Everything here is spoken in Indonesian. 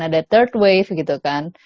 ada third wave gitu kan